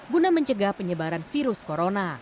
guna mencegah penyebaran virus corona